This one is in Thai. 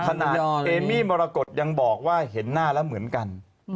เอมี่มรกฏยังบอกว่าเห็นหน้าแล้วเหมือนกัน